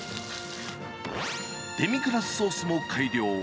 デミグラスソースも改良。